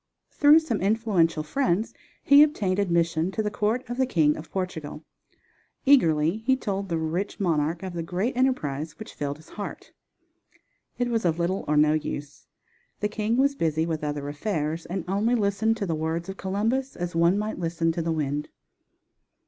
Through some influential friends he obtained admission to the court of the King of Portugal. Eagerly he told the rich monarch of the great enterprise which filled his heart. It was of little or no use, the king was busy with other affairs, and only listened to the words of Columbus as one might listen to the wind.